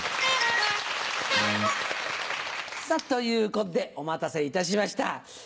さぁということでお待たせいたしました。